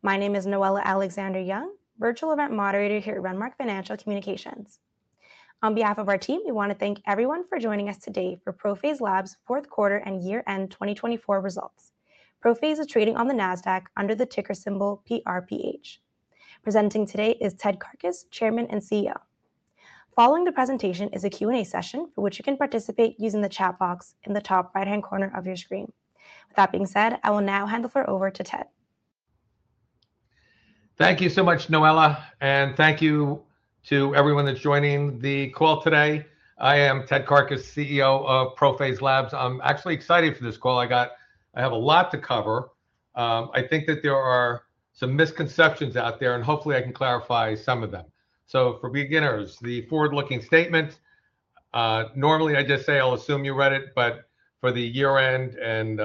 My name is Noella Alexander-Young, Virtual Event Moderator here at Renmark Financial Communications. On behalf of our team, we want to thank everyone for joining us today for ProPhase Labs' fourth quarter and year-end 2024 results. ProPhase is trading on the NASDAQ under the ticker symbol PRPH. Presenting today is Ted Karkus, Chairman and CEO. Following the presentation is a Q&A session for which you can participate using the chat box in the top right-hand corner of your screen. With that being said, I will now hand the floor over to Ted. Thank you so much, Noella, and thank you to everyone that's joining the call today. I am Ted Karkus, CEO of ProPhase Labs. I'm actually excited for this call. I have a lot to cover. I think that there are some misconceptions out there, and hopefully I can clarify some of them. For beginners, the forward-looking statement, normally I just say, "I'll assume you read it," but for the year-end and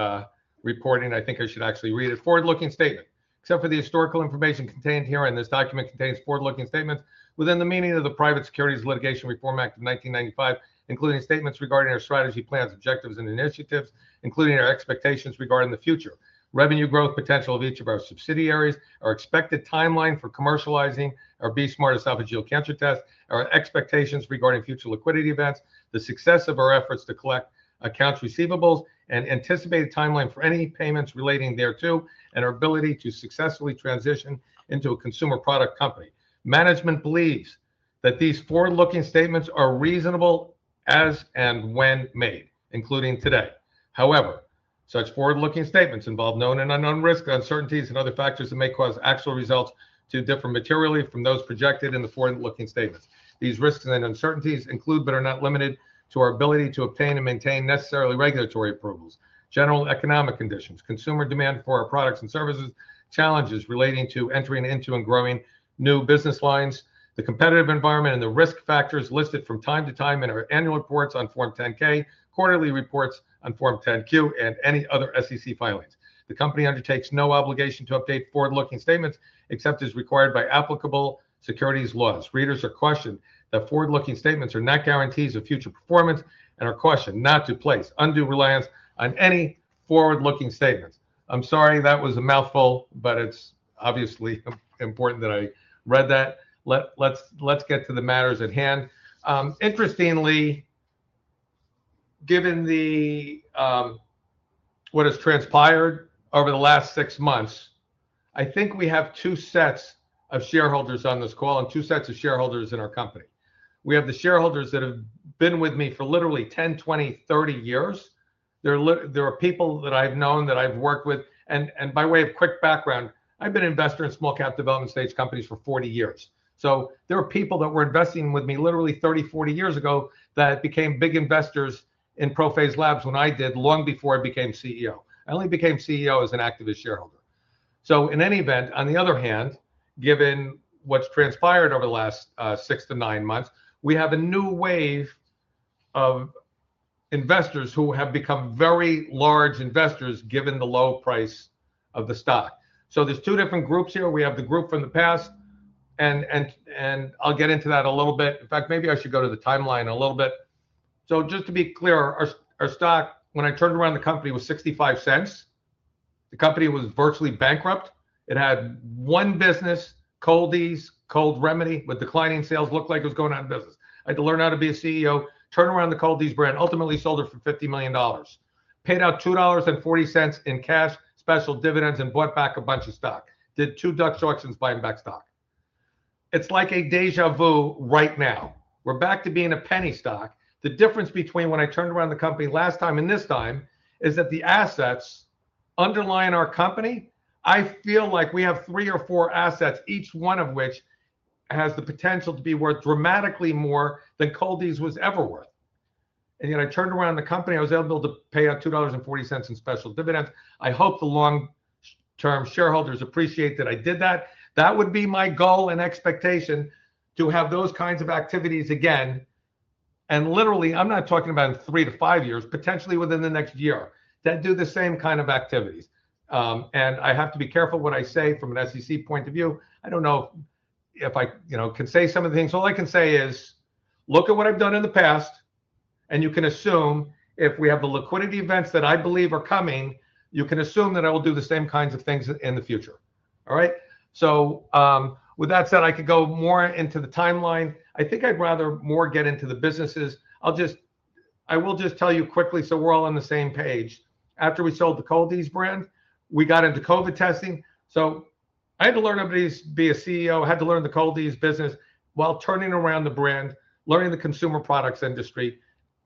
reporting, I think I should actually read it. Forward-looking statement, except for the historical information contained here in, this document contains forward-looking statements within the meaning of the Private Securities Litigation Reform Act of 1995, including statements regarding our strategy, plans, objectives, and initiatives, including our expectations regarding the future, revenue growth potential of each of our subsidiaries, our expected timeline for commercializing our BE-Smart Esophageal Cancer Test, our expectations regarding future liquidity events, the success of our efforts to collect accounts receivables, and anticipated timeline for any payments relating thereto, and our ability to successfully transition into a consumer product company. Management believes that these forward-looking statements are reasonable as and when made, including today. However, such forward-looking statements involve known and unknown risks, uncertainties, and other factors that may cause actual results to differ materially from those projected in the forward-looking statements. These risks and uncertainties include, but are not limited to, our ability to obtain and maintain necessary regulatory approvals, general economic conditions, consumer demand for our products and services, challenges relating to entering into and growing new business lines, the competitive environment, and the risk factors listed from time to time in our annual reports on Form 10-K, quarterly reports on Form 10-Q, and any other SEC filings. The company undertakes no obligation to update forward-looking statements except as required by applicable securities laws. Readers are cautioned that forward-looking statements are not guarantees of future performance and are cautioned not to place undue reliance on any forward-looking statements. I'm sorry, that was a mouthful, but it's obviously important that I read that. Let's get to the matters at hand. Interestingly, given what has transpired over the last six months, I think we have two sets of shareholders on this call and two sets of shareholders in our company. We have the shareholders that have been with me for literally 10, 20, 30 years. There are people that I've known, that I've worked with. By way of quick background, I've been an investor in small-cap development-stage companies for 40 years. There are people that were investing with me literally 30, 40 years ago that became big investors in ProPhase Labs when I did, long before I became CEO. I only became CEO as an activist shareholder. In any event, given what's transpired over the last six to nine months, we have a new wave of investors who have become very large investors given the low price of the stock. There are two different groups here. We have the group from the past, and I'll get into that a little bit. In fact, maybe I should go to the timeline a little bit. Just to be clear, our stock, when I turned around the company, was $0.65. The company was virtually bankrupt. It had one business, Cold-EEZE Cold Remedy, with declining sales, looked like it was going out of business. I had to learn how to be a CEO, turned around the Cold-EEZE brand, ultimately sold it for $50 million, paid out $2.40 in cash, special dividends, and bought back a bunch of stock, did two Dutch auctions buying back stock. It's like a déjà vu right now. We're back to being a penny stock. The difference between when I turned around the company last time and this time is that the assets underlying our company, I feel like we have three or four assets, each one of which has the potential to be worth dramatically more than Cold-EEZE was ever worth. Yet I turned around the company, I was able to pay out $2.40 in special dividends. I hope the long-term shareholders appreciate that I did that. That would be my goal and expectation to have those kinds of activities again. Literally, I'm not talking about in three to five years, potentially within the next year, that do the same kind of activities. I have to be careful what I say from an SEC point of view. I don't know if I can say some of the things. All I can say is, look at what I've done in the past, and you can assume if we have the liquidity events that I believe are coming, you can assume that I will do the same kinds of things in the future. All right? With that said, I could go more into the timeline. I think I'd rather more get into the businesses. I will just tell you quickly so we're all on the same page. After we sold the Cold-EEZE brand, we got into COVID testing. I had to learn how to be a CEO, had to learn the Cold-EEZE business while turning around the brand, learning the consumer products industry.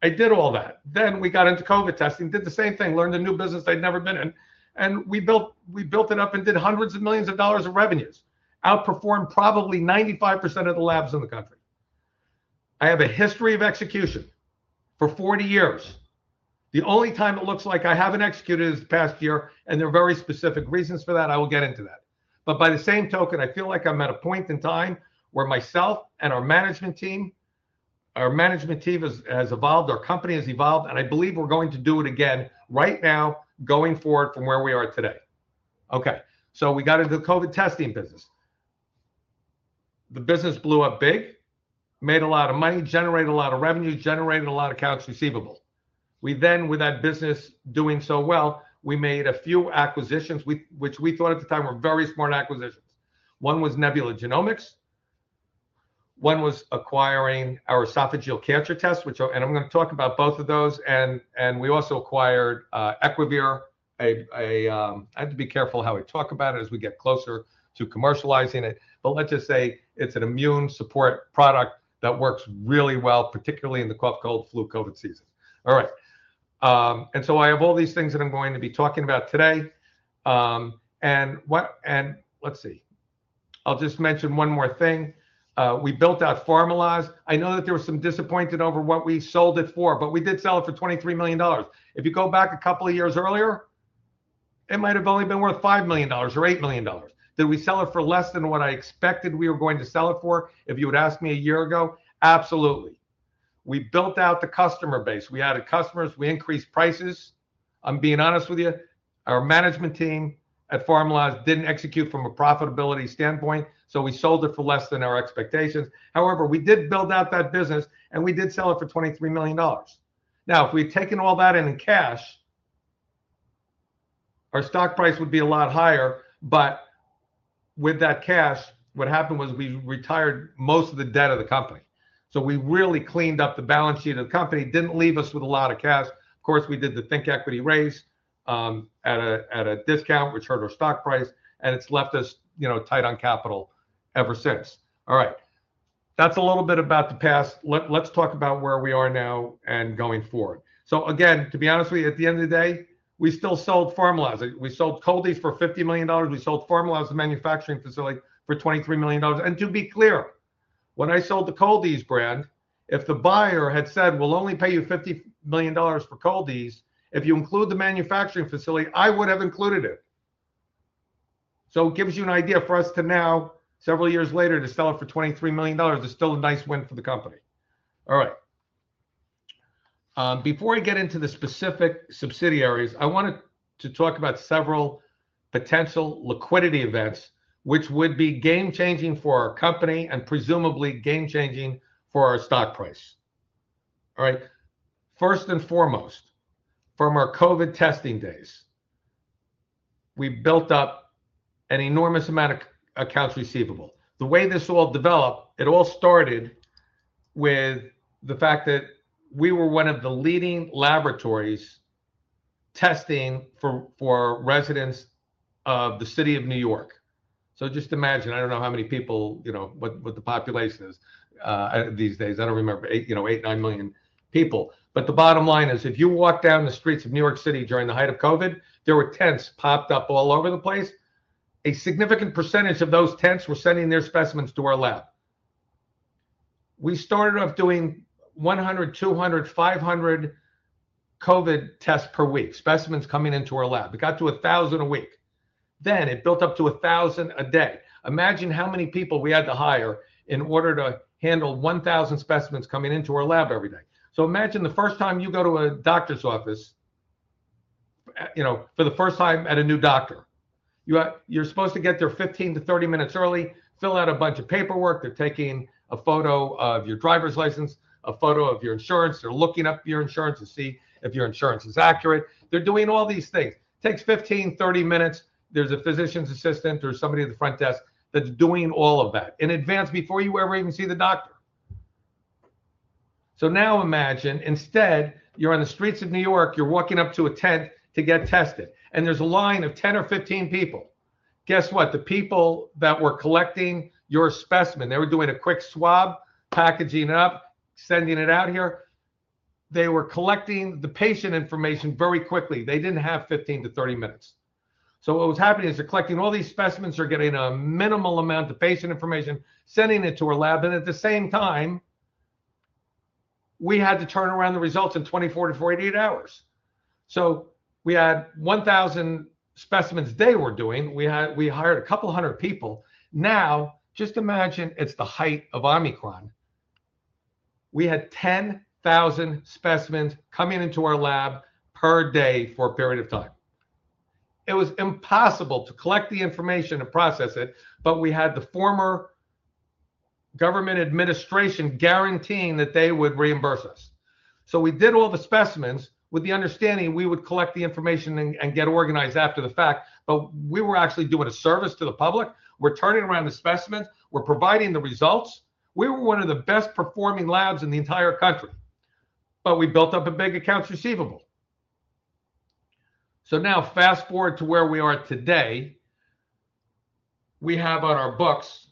I did all that. We got into COVID testing, did the same thing, learned a new business I'd never been in. We built it up and did hundreds of millions of dollars of revenues, outperformed probably 95% of the labs in the country. I have a history of execution for 40 years. The only time it looks like I haven't executed is the past year, and there are very specific reasons for that. I will get into that. By the same token, I feel like I'm at a point in time where myself and our management team, our management team has evolved, our company has evolved, and I believe we're going to do it again right now, going forward from where we are today. We got into the COVID testing business. The business blew up big, made a lot of money, generated a lot of revenue, generated a lot of accounts receivable. We then, with that business doing so well, we made a few acquisitions, which we thought at the time were very smart acquisitions. One was Nebula Genomics. One was acquiring our esophageal cancer test, which, and I'm going to talk about both of those. We also acquired Equivir. I have to be careful how I talk about it as we get closer to commercializing it, but let's just say it's an immune support product that works really well, particularly in the cough, cold, flu, COVID season. I have all these things that I'm going to be talking about today. I'll just mention one more thing. We built out Pharmaloz. I know that there were some disappointed over what we sold it for, but we did sell it for $23 million. If you go back a couple of years earlier, it might have only been worth $5 million or $8 million. Did we sell it for less than what I expected we were going to sell it for, if you would ask me a year ago? Absolutely. We built out the customer base. We added customers, we increased prices. I'm being honest with you. Our management team at Pharmaloz did not execute from a profitability standpoint, so we sold it for less than our expectations. However, we did build out that business, and we did sell it for $23 million. Now, if we had taken all that in cash, our stock price would be a lot higher. With that cash, what happened was we retired most of the debt of the company. We really cleaned up the balance sheet of the company, did not leave us with a lot of cash. Of course, we did the ThinkEquity raise at a discount, which hurt our stock price, and it's left us tight on capital ever since. All right. That's a little bit about the past. Let's talk about where we are now and going forward. Again, to be honest with you, at the end of the day, we still sold Pharmaloz. We sold Cold-EEZE for $50 million. We sold Pharmaloz's manufacturing facility for $23 million. To be clear, when I sold the Cold-EEZE brand, if the buyer had said, "We'll only pay you $50 million for Cold-EEZE, if you include the manufacturing facility," I would have included it. It gives you an idea for us to now, several years later, to sell it for $23 million, it's still a nice win for the company. All right. Before I get into the specific subsidiaries, I want to talk about several potential liquidity events, which would be game-changing for our company and presumably game-changing for our stock price. First and foremost, from our COVID testing days, we built up an enormous amount of accounts receivable. The way this all developed, it all started with the fact that we were one of the leading laboratories testing for residents of the city of New York. Just imagine, I do not know how many people, what the population is these days. I do not remember, eight, nine million people. The bottom line is, if you walked down the streets of New York City during the height of COVID, there were tents popped up all over the place. A significant percentage of those tents were sending their specimens to our lab. We started off doing 100, 200, 500 COVID tests per week, specimens coming into our lab. It got to 1,000 a week. It built up to 1,000 a day. Imagine how many people we had to hire in order to handle 1,000 specimens coming into our lab every day. Imagine the first time you go to a doctor's office, for the first time at a new doctor, you're supposed to get there 15-30 minutes early, fill out a bunch of paperwork. They're taking a photo of your driver's license, a photo of your insurance. They're looking up your insurance to see if your insurance is accurate. They're doing all these things. Takes 15, 30 minutes. There's a physician's assistant or somebody at the front desk that's doing all of that in advance before you ever even see the doctor. Now imagine instead, you're on the streets of New York, you're walking up to a tent to get tested, and there's a line of 10 or 15 people. Guess what? The people that were collecting your specimen, they were doing a quick swab, packaging it up, sending it out here. They were collecting the patient information very quickly. They didn't have 15-30 minutes. What was happening is they're collecting all these specimens, they're getting a minimal amount of patient information, sending it to our lab. At the same time, we had to turn around the results in 24-48 hours. We had 1,000 specimens they were doing. We hired a couple hundred people. Now, just imagine it's the height of Omicron. We had 10,000 specimens coming into our lab per day for a period of time. It was impossible to collect the information and process it, but we had the former government administration guaranteeing that they would reimburse us. We did all the specimens with the understanding we would collect the information and get organized after the fact, but we were actually doing a service to the public. We're turning around the specimens. We're providing the results. We were one of the best performing labs in the entire country. We built up a big accounts receivable. Now fast forward to where we are today. We have on our books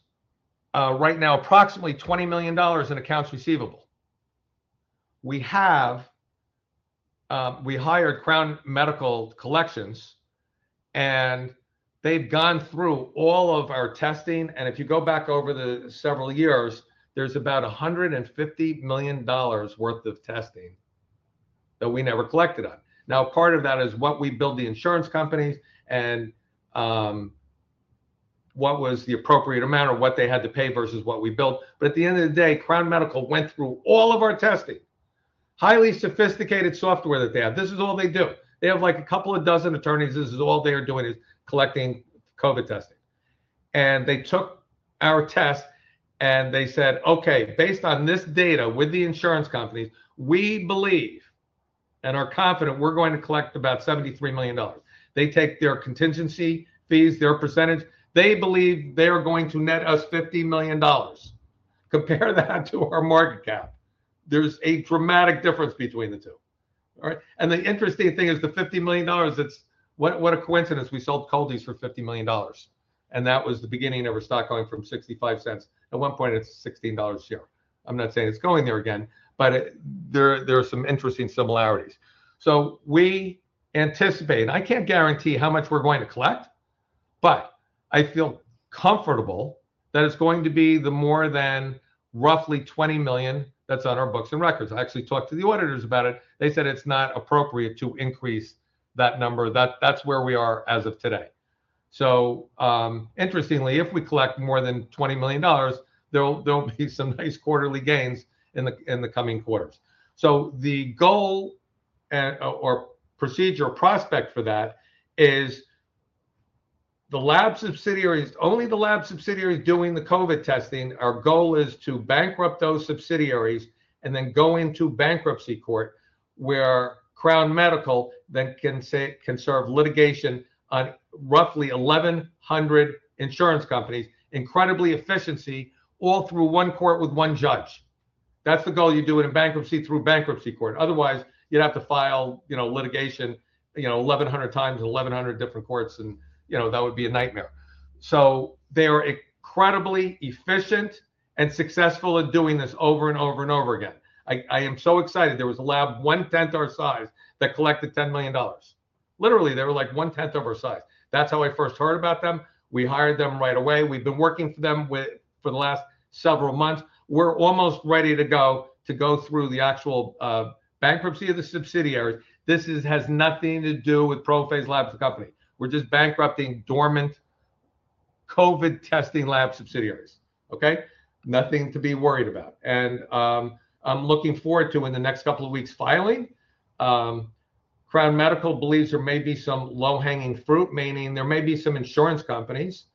right now approximately $20 million in accounts receivable. We hired Crown Medical Collections, and they've gone through all of our testing. If you go back over the several years, there's about $150 million worth of testing that we never collected on. Now, part of that is what we billed the insurance companies and what was the appropriate amount or what they had to pay versus what we billed. At the end of the day, Crown Medical went through all of our testing, highly sophisticated software that they have. This is all they do. They have like a couple of dozen attorneys. This is all they are doing is collecting COVID testing. They took our test and they said, "Okay, based on this data with the insurance companies, we believe and are confident we're going to collect about $73 million." They take their contingency fees, their percentage. They believe they are going to net us $50 million. Compare that to our market cap. There's a dramatic difference between the two. All right. The interesting thing is the $50 million, it's what a coincidence. We sold Cold-EEZE for $50 million. That was the beginning of our stock going from $0.65. At one point, it's $16 a share. I'm not saying it's going there again, but there are some interesting similarities. We anticipate, and I can't guarantee how much we're going to collect, but I feel comfortable that it's going to be more than roughly $20 million that's on our books and records. I actually talked to the auditors about it. They said it's not appropriate to increase that number. That's where we are as of today. Interestingly, if we collect more than $20 million, there will be some nice quarterly gains in the coming quarters. The goal or procedure or prospect for that is the lab subsidiaries, only the lab subsidiaries doing the COVID testing. Our goal is to bankrupt those subsidiaries and then go into bankruptcy court where Crown Medical then can serve litigation on roughly 1,100 insurance companies, incredibly efficient, all through one court with one judge. That's the goal you do in a bankruptcy through bankruptcy court. Otherwise, you'd have to file litigation 1,100 times in 1,100 different courts, and that would be a nightmare. They are incredibly efficient and successful at doing this over and over and over again. I am so excited. There was a lab one tenth our size that collected $10 million. Literally, they were like one tenth of our size. That's how I first heard about them. We hired them right away. We've been working with them for the last several months. We're almost ready to go through the actual bankruptcy of the subsidiaries. This has nothing to do with ProPhase Labs Company. We're just bankrupting dormant COVID testing lab subsidiaries. Okay? Nothing to be worried about. I'm looking forward to, in the next couple of weeks, finally, Crown Medical believes there may be some low-hanging fruit, meaning there may be some insurance companies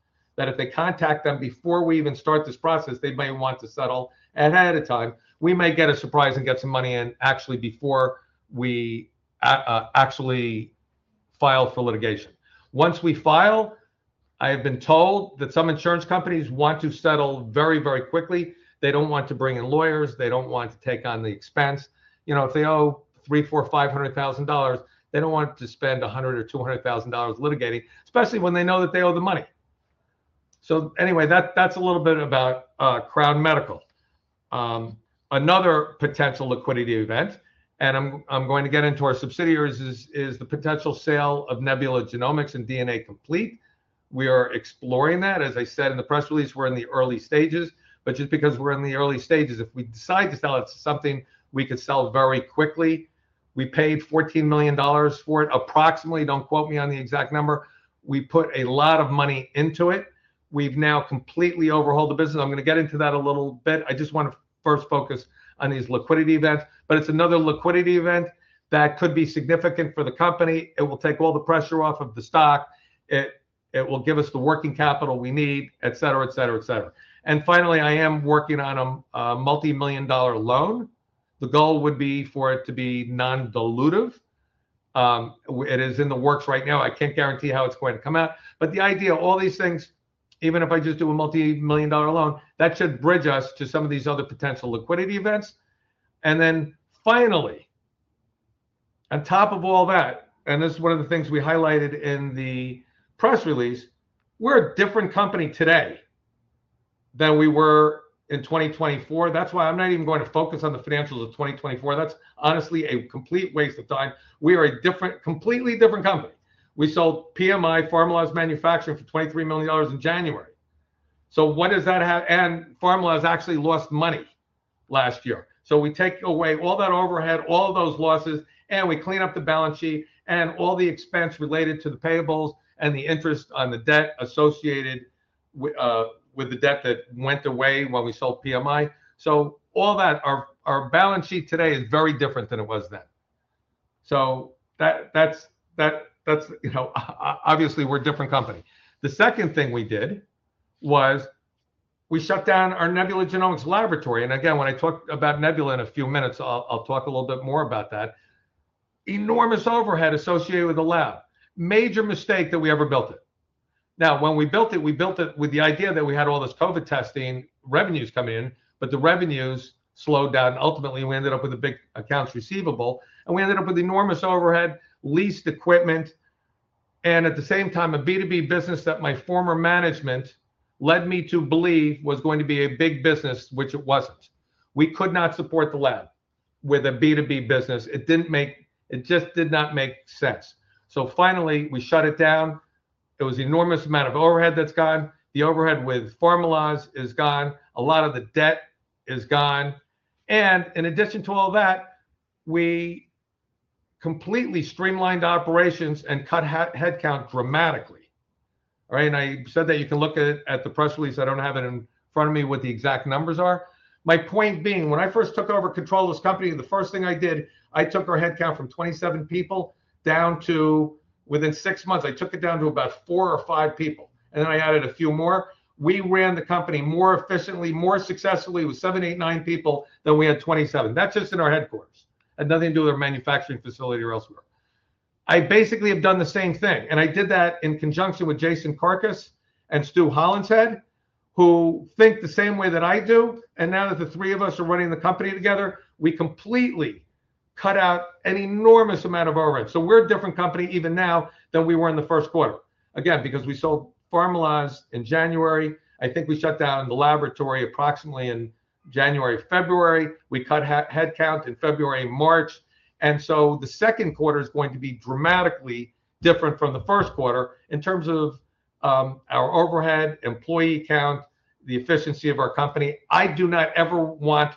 that if they contact them before we even start this process, they may want to settle. Ahead of time, we may get a surprise and get some money in actually before we actually file for litigation. Once we file, I have been told that some insurance companies want to settle very, very quickly. They do not want to bring in lawyers. They do not want to take on the expense. If they owe $300,000, $400,000, $500,000, they do not want to spend $100,000 or $200,000 litigating, especially when they know that they owe the money. Anyway, that's a little bit about Crown Medical. Another potential liquidity event, and I'm going to get into our subsidiaries, is the potential sale of Nebula Genomics and DNA Complete. We are exploring that. As I said in the press release, we're in the early stages. Just because we're in the early stages, if we decide to sell it to something, we could sell very quickly. We paid $14 million for it approximately. Don't quote me on the exact number. We put a lot of money into it. We've now completely overhauled the business. I'm going to get into that a little bit. I just want to first focus on these liquidity events. It is another liquidity event that could be significant for the company. It will take all the pressure off of the stock. It will give us the working capital we need, etc., etc., etc. Finally, I am working on a multi-million dollar loan. The goal would be for it to be non-dilutive. It is in the works right now. I can't guarantee how it's going to come out. The idea, all these things, even if I just do a multi-million dollar loan, that should bridge us to some of these other potential liquidity events. Finally, on top of all that, and this is one of the things we highlighted in the press release, we're a different company today than we were in 2024. That's why I'm not even going to focus on the financials of 2024. That's honestly a complete waste of time. We are a completely different company. We sold Pharmaloz Manufacturing for $23 million in January. So what does that have? And Pharmaloz actually lost money last year. We take away all that overhead, all those losses, and we clean up the balance sheet and all the expense related to the payables and the interest on the debt associated with the debt that went away when we sold PMI. All that, our balance sheet today is very different than it was then. Obviously, we're a different company. The second thing we did was we shut down our Nebula Genomics Laboratory. Again, when I talk about Nebula in a few minutes, I'll talk a little bit more about that. Enormous overhead associated with the lab. Major mistake that we ever built it. Now, when we built it, we built it with the idea that we had all this COVID testing revenues coming in, but the revenues slowed down. Ultimately, we ended up with a big accounts receivable, and we ended up with enormous overhead, leased equipment, and at the same time, a B2B business that my former management led me to believe was going to be a big business, which it was not. We could not support the lab with a B2B business. It just did not make sense. Finally, we shut it down. It was an enormous amount of overhead that is gone. The overhead with Pharmaloz is gone. A lot of the debt is gone. In addition to all that, we completely streamlined operations and cut headcount dramatically. All right. I said that you can look at the press release. I do not have it in front of me what the exact numbers are. My point being, when I first took over control of this company, the first thing I did, I took our headcount from 27 people down to, within six months, I took it down to about four or five people. I added a few more. We ran the company more efficiently, more successfully with seven, eight, nine people than we had 27. That is just in our headquarters. Had nothing to do with our manufacturing facility or elsewhere. I basically have done the same thing. I did that in conjunction with Jason Karkus and Stu Holland's head, who think the same way that I do. Now that the three of us are running the company together, we completely cut out an enormous amount of overhead. We are a different company even now than we were in the first quarter. Again, because we sold Pharmaloz in January, I think we shut down the laboratory approximately in January, February. We cut headcount in February, March. The second quarter is going to be dramatically different from the first quarter in terms of our overhead, employee count, the efficiency of our company. I do not ever want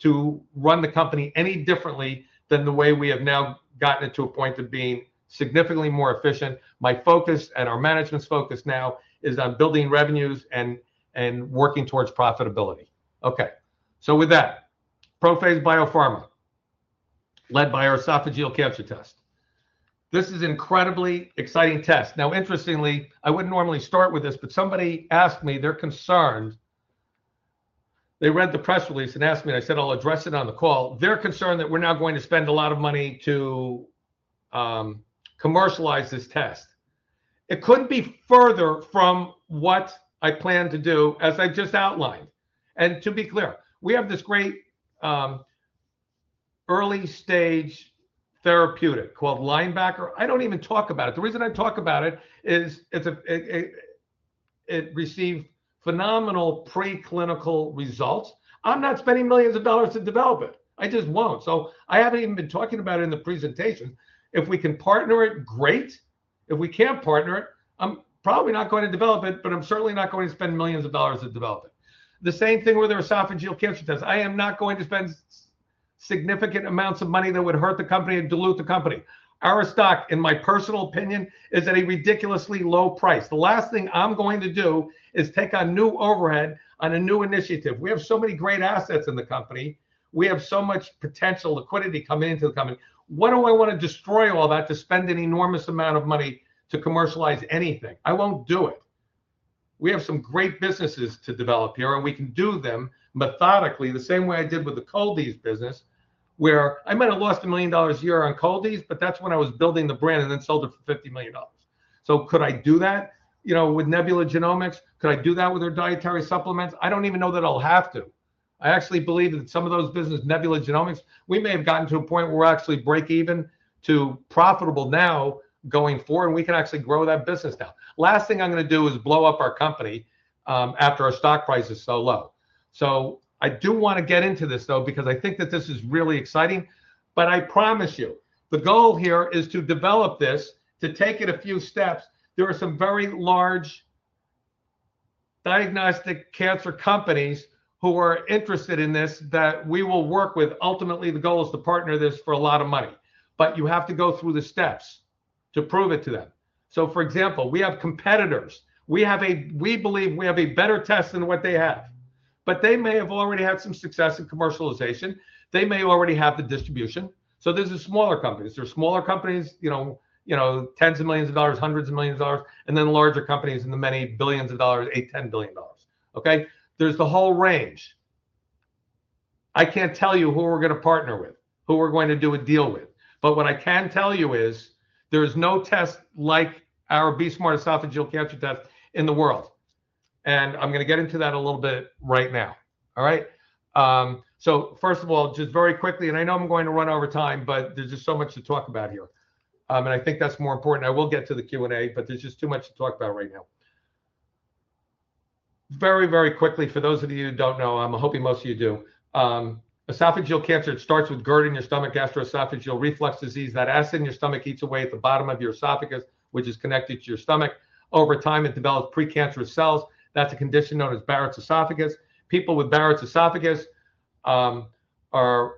to run the company any differently than the way we have now gotten it to a point of being significantly more efficient. My focus and our management's focus now is on building revenues and working towards profitability. Okay. With that, ProPhase BioPharma led by our esophageal cancer test. This is an incredibly exciting test. Interestingly, I would not normally start with this, but somebody asked me, they are concerned. They read the press release and asked me, and I said, "I'll address it on the call." They're concerned that we're now going to spend a lot of money to commercialize this test. It couldn't be further from what I plan to do, as I just outlined. To be clear, we have this great early-stage therapeutic called Linebacker. I don't even talk about it. The reason I talk about it is it received phenomenal preclinical results. I'm not spending millions of dollars to develop it. I just won't. I haven't even been talking about it in the presentation. If we can partner it, great. If we can't partner it, I'm probably not going to develop it, but I'm certainly not going to spend millions of dollars to develop it. The same thing with our esophageal cancer test. I am not going to spend significant amounts of money that would hurt the company and dilute the company. Our stock, in my personal opinion, is at a ridiculously low price. The last thing I'm going to do is take on new overhead on a new initiative. We have so many great assets in the company. We have so much potential liquidity coming into the company. Why do I want to destroy all that to spend an enormous amount of money to commercialize anything? I won't do it. We have some great businesses to develop here, and we can do them methodically the same way I did with the Cold-EEZE business, where I might have lost $1 million a year on Cold-EEZE, but that's when I was building the brand and then sold it for $50 million. Could I do that with Nebula Genomics? Could I do that with our dietary supplements? I do not even know that I will have to. I actually believe that some of those businesses, Nebula Genomics, we may have gotten to a point where we are actually break even to profitable now going forward, and we can actually grow that business now. Last thing I am going to do is blow up our company after our stock price is so low. I do want to get into this, though, because I think that this is really exciting. I promise you, the goal here is to develop this to take it a few steps. There are some very large diagnostic cancer companies who are interested in this that we will work with. Ultimately, the goal is to partner this for a lot of money. You have to go through the steps to prove it to them. For example, we have competitors. We believe we have a better test than what they have. They may have already had some success in commercialization. They may already have the distribution. There are smaller companies, tens of millions of dollars, hundreds of millions of dollars, and then larger companies in the many billions of dollars, $8 billion, $10 billion. There is the whole range. I can't tell you who we're going to partner with, who we're going to do a deal with. What I can tell you is there is no test like our BE-Smart Esophageal Cancer Test in the world. I'm going to get into that a little bit right now. First of all, just very quickly, and I know I'm going to run over time, but there's just so much to talk about here. I think that's more important. I will get to the Q&A, but there's just too much to talk about right now. Very, very quickly, for those of you who don't know, I'm hoping most of you do. Esophageal cancer, it starts with GERD in your stomach, gastroesophageal reflux disease. That acid in your stomach eats away at the bottom of your esophagus, which is connected to your stomach. Over time, it develops precancerous cells. That's a condition known as Barrett's esophagus. People with Barrett's esophagus are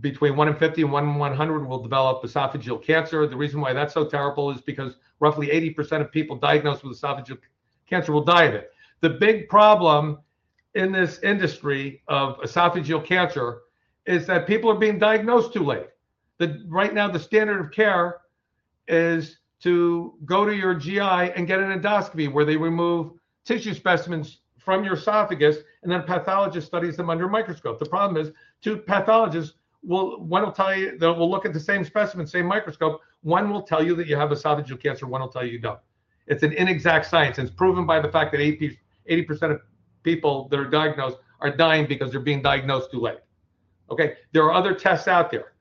between 1 in 50 and 1 in 100 will develop esophageal cancer. The reason why that's so terrible is because roughly 80% of people diagnosed with esophageal cancer will die of it. The big problem in this industry of esophageal cancer is that people are being diagnosed too late. Right now, the standard of care is to go to your GI and get an endoscopy where they remove tissue specimens from your esophagus, and then a pathologist studies them under a microscope. The problem is two pathologists will look at the same specimen, same microscope. One will tell you that you have esophageal cancer. One will tell you don't. It's an inexact science. It's proven by the fact that 80% of people that are diagnosed are dying because they're being diagnosed too late. There are other tests out there.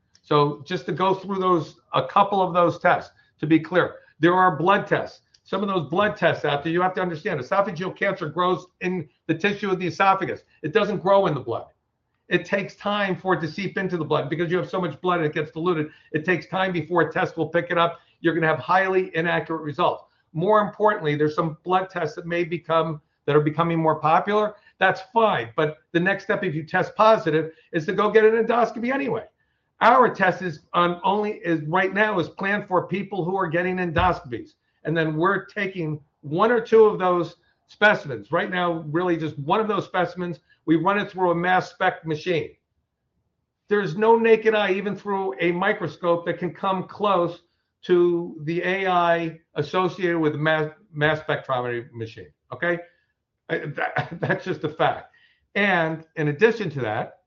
Just to go through a couple of those tests, to be clear, there are blood tests. Some of those blood tests out there, you have to understand, esophageal cancer grows in the tissue of the esophagus. It doesn't grow in the blood. It takes time for it to seep into the blood because you have so much blood and it gets diluted. It takes time before a test will pick it up. You're going to have highly inaccurate results. More importantly, there's some blood tests that are becoming more popular. That's fine. The next step, if you test positive, is to go get an endoscopy anyway. Our test right now is planned for people who are getting endoscopies. And then we're taking one or two of those specimens. Right now, really just one of those specimens, we run it through a mass spec machine. There's no naked eye, even through a microscope, that can come close to the AI associated with the mass spectrometer machine. Okay? That's just a fact. In addition to that,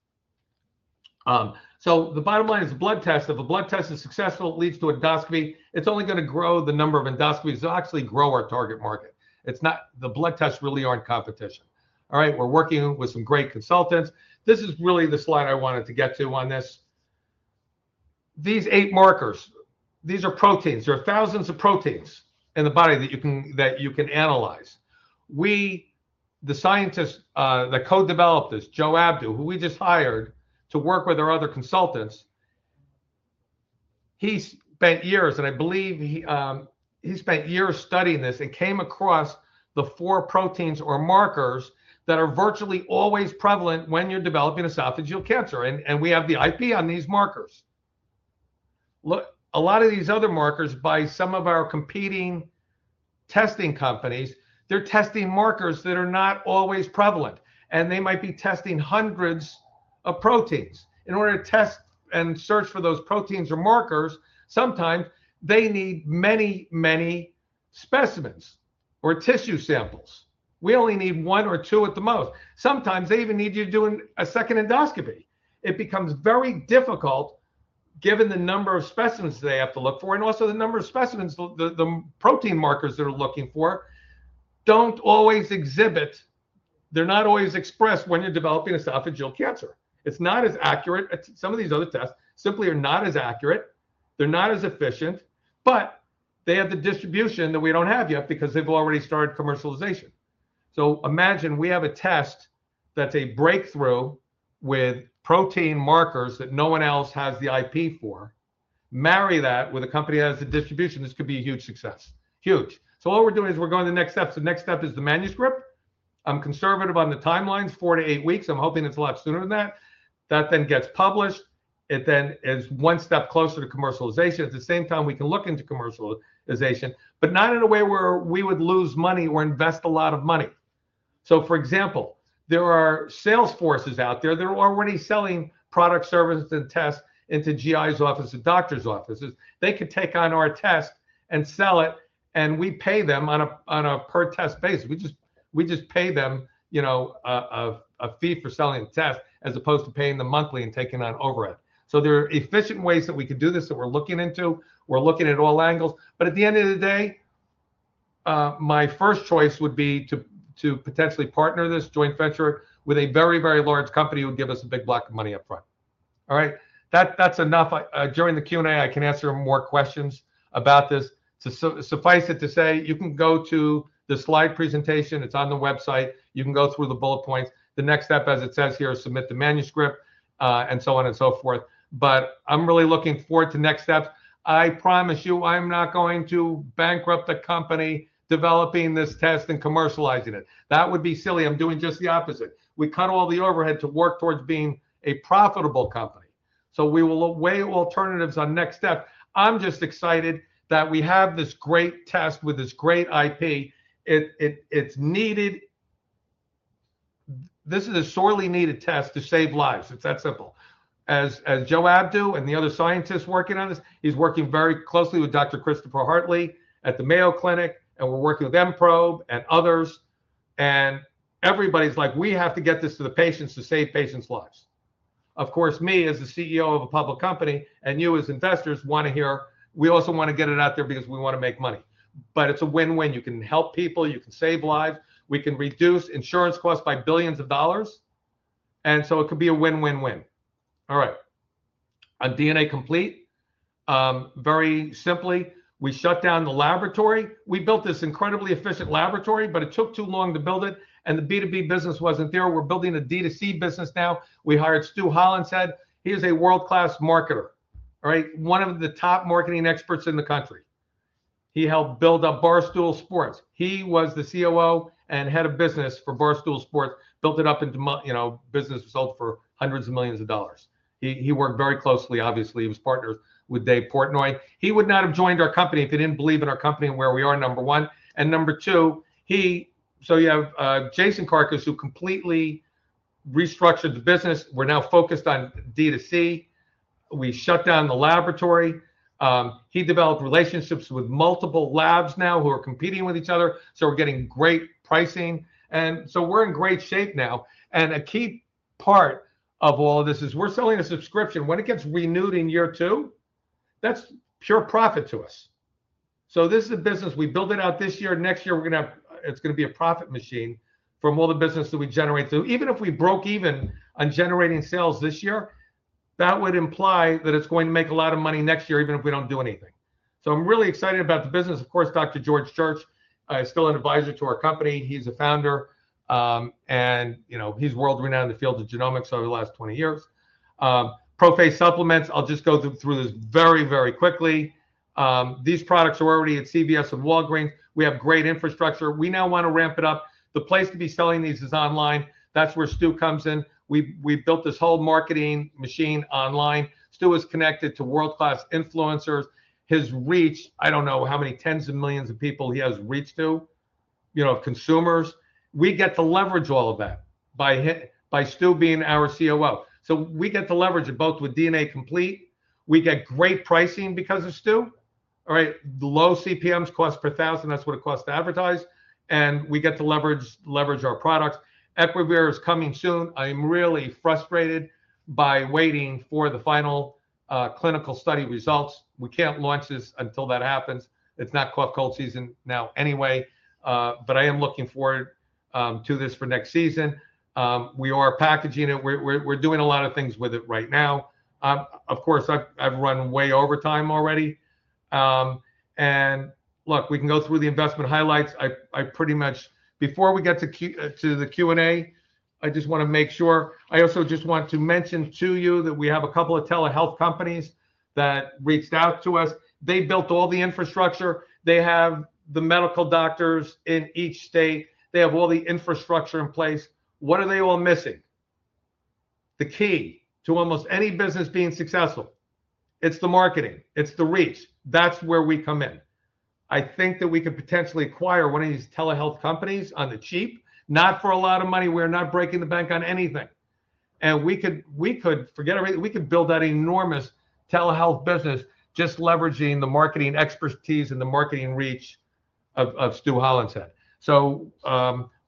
the bottom line is a blood test. If a blood test is successful, it leads to endoscopy. It's only going to grow the number of endoscopies that actually grow our target market. The blood tests really aren't competition. All right? We're working with some great consultants. This is really the slide I wanted to get to on this. These eight markers, these are proteins. There are thousands of proteins in the body that you can analyze. The scientist that co-developed this, Joe Abdo, who we just hired to work with our other consultants, he spent years, and I believe he spent years studying this and came across the four proteins or markers that are virtually always prevalent when you're developing esophageal cancer. And we have the IP on these markers. A lot of these other markers by some of our competing testing companies, they're testing markers that are not always prevalent. They might be testing hundreds of proteins. In order to test and search for those proteins or markers, sometimes they need many, many specimens or tissue samples. We only need one or two at the most. Sometimes they even need you to do a second endoscopy. It becomes very difficult given the number of specimens they have to look for. Also, the number of specimens, the protein markers they're looking for, do not always exhibit; they're not always expressed when you're developing esophageal cancer. It's not as accurate. Some of these other tests simply are not as accurate. They're not as efficient, but they have the distribution that we do not have yet because they've already started commercialization. Imagine we have a test that's a breakthrough with protein markers that no one else has the IP for. Marry that with a company that has the distribution. This could be a huge success. Huge. All we're doing is we're going to the next step. The next step is the manuscript. I'm conservative on the timelines, four to eight weeks. I'm hoping it's a lot sooner than that. That then gets published. It then is one step closer to commercialization. At the same time, we can look into commercialization, but not in a way where we would lose money or invest a lot of money. For example, there are sales forces out there that are already selling products, services, and tests into GI's offices and doctors' offices. They could take on our test and sell it, and we pay them on a per-test basis. We just pay them a fee for selling a test as opposed to paying them monthly and taking on overhead. There are efficient ways that we could do this that we're looking into. We're looking at all angles. At the end of the day, my first choice would be to potentially partner this joint venture with a very, very large company who would give us a big block of money upfront. All right? During the Q&A, I can answer more questions about this. Suffice it to say, you can go to the slide presentation. It's on the website. You can go through the bullet points. The next step, as it says here, is submit the manuscript and so on and so forth. I'm really looking forward to next steps. I promise you, I'm not going to bankrupt a company developing this test and commercializing it. That would be silly. I'm doing just the opposite. We cut all the overhead to work towards being a profitable company. We will weigh alternatives on next steps. I'm just excited that we have this great test with this great IP. It's needed. This is a sorely needed test to save lives. It's that simple. As Joe Abdo and the other scientists working on this, he's working very closely with Dr. Christopher Hartley at the Mayo Clinic, and we're working with M-Probe and others. Everybody's like, "We have to get this to the patients to save patients' lives." Of course, me as the CEO of a public company and you as investors want to hear, "We also want to get it out there because we want to make money." It's a win-win. You can help people. You can save lives. We can reduce insurance costs by billions of dollars. It could be a win-win-win. All right. On DNA Complete, very simply, we shut down the laboratory. We built this incredibly efficient laboratory, but it took too long to build it. The B2B business wasn't there. We're building a D2C business now. We hired Stu Holland, said, "He is a world-class marketer." All right? One of the top marketing experts in the country. He helped build up Barstool Sports. He was the COO and head of business for Barstool Sports, built it up into business result for hundreds of millions of dollars. He worked very closely, obviously. He was partnered with Dave Portnoy. He would not have joined our company if he didn't believe in our company and where we are, number one. Number two, you have Jason Karkus, who completely restructured the business. We're now focused on D2C. We shut down the laboratory. He developed relationships with multiple labs now who are competing with each other. We're getting great pricing. We're in great shape now. A key part of all of this is we're selling a subscription. When it gets renewed in year two, that's pure profit to us. This is a business we built out this year. Next year, it's going to be a profit machine from all the business that we generate through. Even if we broke even on generating sales this year, that would imply that it's going to make a lot of money next year, even if we don't do anything. I'm really excited about the business. Of course, Dr. George Church is still an advisor to our company. He's a founder, and he's world-renowned in the field of genomics over the last 20 years. ProPhase supplements, I'll just go through this very, very quickly. These products are already at CVS and Walgreens. We have great infrastructure. We now want to ramp it up. The place to be selling these is online. That's where Stu comes in. We built this whole marketing machine online. Stu is connected to world-class influencers. His reach, I don't know how many tens of millions of people he has reached to, consumers. We get to leverage all of that by Stu being our COO. We get to leverage it both with DNA Complete. We get great pricing because of Stu. All right? Low CPMs, cost per thousand. That's what it costs to advertise. We get to leverage our products. Equivir is coming soon. I'm really frustrated by waiting for the final clinical study results. We can't launch this until that happens. It's not cough cold season now anyway. I am looking forward to this for next season. We are packaging it. We're doing a lot of things with it right now. Of course, I've run way over time already. Look, we can go through the investment highlights. Before we get to the Q&A, I just want to make sure. I also just want to mention to you that we have a couple of telehealth companies that reached out to us. They built all the infrastructure. They have the medical doctors in each state. They have all the infrastructure in place. What are they all missing? The key to almost any business being successful. It's the marketing. It's the reach. That's where we come in. I think that we could potentially acquire one of these telehealth companies on the cheap, not for a lot of money. We're not breaking the bank on anything. We could forget everything. We could build that enormous telehealth business just leveraging the marketing expertise and the marketing reach of Stu Holland said.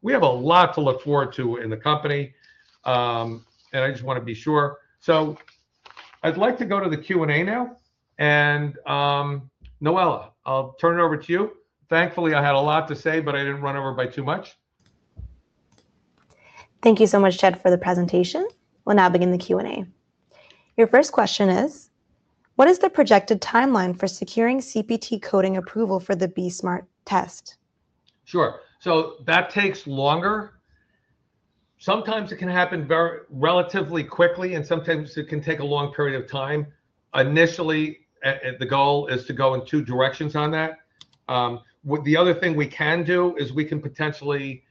We have a lot to look forward to in the company. I just want to be sure. I'd like to go to the Q&A now. Noella, I'll turn it over to you. Thankfully, I had a lot to say, but I didn't run over by too much. Thank you so much, Ted, for the presentation. We'll now begin the Q&A. Your first question is, what is the projected timeline for securing CPT coding approval for the BE-Smart test? Sure. That takes longer. Sometimes it can happen relatively quickly, and sometimes it can take a long period of time. Initially, the goal is to go in two directions on that. The other thing we can do is we can potentially